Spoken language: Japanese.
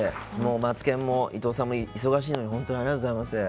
マツケンも伊東さんも忙しいのに本当に、ありがとうございます。